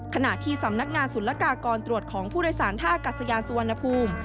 ขณะที่สำนักงานศุลกากรตรวจของผู้โดยสารท่ากัศยานสุวรรณภูมิ